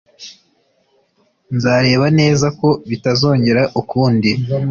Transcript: nzareba neza ko bitazongera ukundi